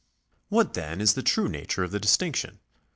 What, then, is the true nature of the distinction